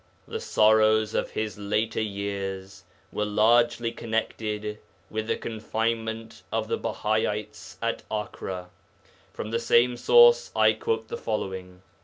The sorrows of his later years were largely connected with the confinement of the Bahaites at Acre (Akka). From the same source I quote the following.